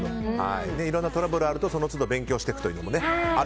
いろいろなトラブルがあるとその都度勉強していくと。